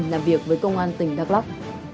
bảo đảm quốc phòng an tỉnh đắk lắk